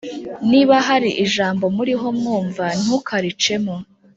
Niba hari ijambo muriho mwumva, ntukaricemo,